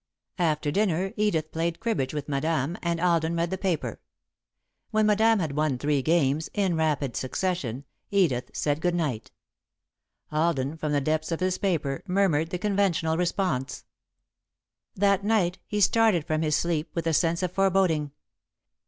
After dinner, Edith played cribbage with Madame and Alden read the paper. When Madame had won three games, in rapid succession, Edith said good night. Alden, from the depths of his paper, murmured the conventional response. That night he started from his sleep with a sense of foreboding.